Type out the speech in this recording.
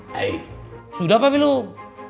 hai sudah apa belum